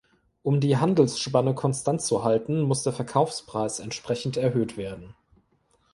Um die Handelsspanne konstant zu halten, muss der Verkaufspreis entsprechend erhöht werden.